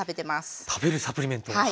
食べるサプリメントか。